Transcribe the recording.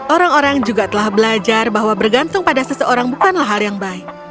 orang orang juga telah belajar bahwa bergantung pada seseorang bukanlah hal yang baik